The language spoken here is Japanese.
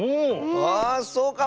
ああっそうかも！